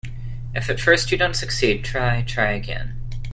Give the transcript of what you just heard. If at first you don't succeed, try, try again.